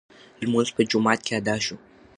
لمونځ په جومات کې ادا شو.